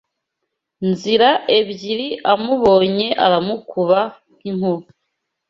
Nzira ebyiri amubonye aramukuba nk’inkuba